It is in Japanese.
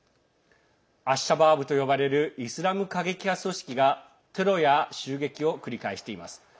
アッシャバーブと呼ばれるイスラム過激派組織がテロや襲撃を繰り返しています。